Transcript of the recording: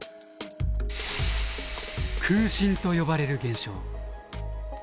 「空振」と呼ばれる現象。